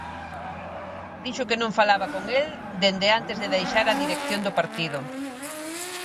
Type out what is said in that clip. Dixo que non falaba con el dende antes de deixar a dirección do partido.